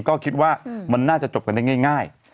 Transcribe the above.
ก็คิดว่ามันน่าจะจบกันได้ง่าย